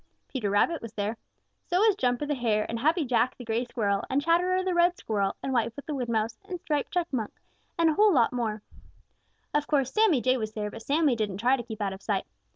Peter Rabbit was there. So was Jumper the Hare and Happy Jack the Gray Squirrel and Chatterer the Red Squirrel and Whitefoot the Wood Mouse and Striped Chipmunk and a lot more. Of course, Sammy Jay was there, but Sammy didn't try to keep out of sight.